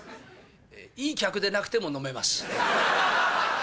いい客でなくても飲めます。